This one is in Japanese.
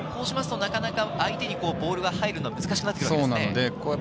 なかなか相手にボールが入るのは難しくなってきますね。